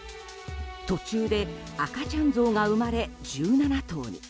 途中で赤ちゃんゾウが生まれ１７頭に。